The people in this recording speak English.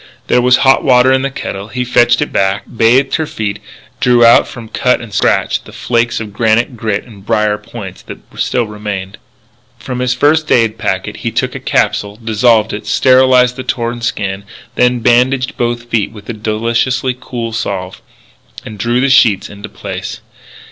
There was hot water in the kettle. He fetched it back, bathed her feet, drew out from cut and scratch the flakes of granite grit and brier points that still remained there. From his first aid packet he took a capsule, dissolved it, sterilized the torn skin, then bandaged both feet with a deliciously cool salve, and drew the sheets into place.